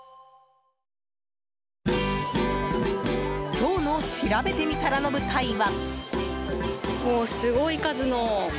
今日のしらべてみたらの舞台は。